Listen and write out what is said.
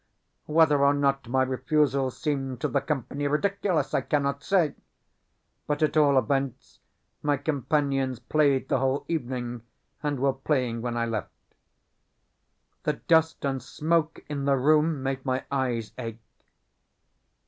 Whether or not my refusal seemed to the company ridiculous I cannot say, but at all events my companions played the whole evening, and were playing when I left. The dust and smoke in the room made my eyes ache.